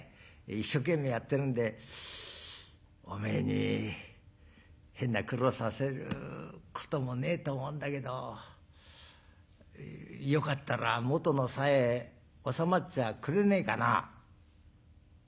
一生懸命やってるんでおめえに変な苦労させることもねえと思うんだけどよかったら元のさやへ収まっちゃくれねえかな」。